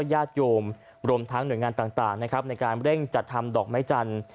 ญาติโยมรวมทั้งหน่วยงานต่างนะครับในการเร่งจัดทำดอกไม้จันทร์